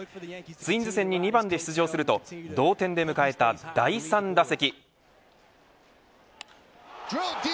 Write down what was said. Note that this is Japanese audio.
ツインズ戦に２番で出場すると同点で迎えた第３打席。